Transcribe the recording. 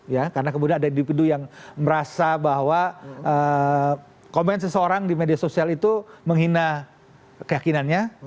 ya karena kemudian ada individu yang merasa bahwa komen seseorang di media sosial itu menghina keyakinannya